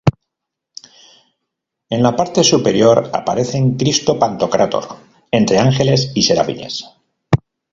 En la parte superior, aparece Cristo Pantocrátor entre ángeles y serafines.